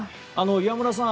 岩村さん